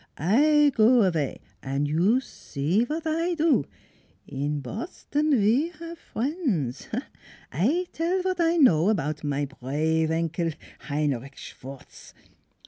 I go avay, an' you see vot I do. ... In Boston we haf friends. I tell vot I know about my prave Enkel, Heinrich Schwartz.